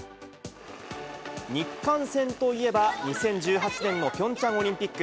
日韓戦といえば、２０１８年のピョンチャンオリンピック。